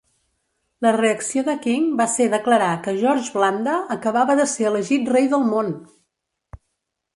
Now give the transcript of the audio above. La reacció de King va ser declarar que George Blanda acabava de ser elegit rei del món!